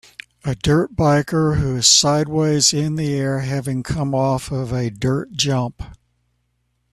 A dirt biker who is sideways in the air having come off of a dirt jump.